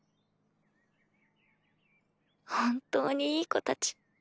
本当にいい子たち。